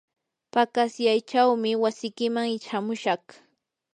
paqasyaychawmi wasikiman shamushaq.